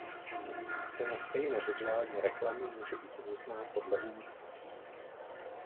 Cena stejné vizuální reklamy může být různá podle umístění.